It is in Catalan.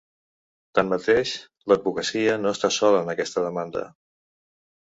Tanmateix, l’advocacia no està sola en aquesta demanda.